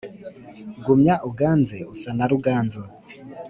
Gumya uganze usa na Ruganzu